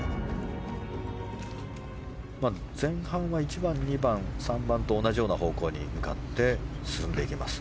前半は１番２番３番と同じような方向に向かって進んでいきます。